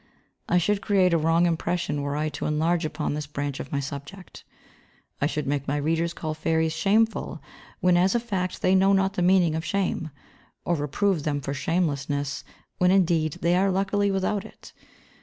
I should create a wrong impression were I to enlarge upon this branch of my subject; I should make my readers call fairies shameful when as a fact they know not the meaning of shame, or reprove them for shamelessness when, indeed, they are luckily without it.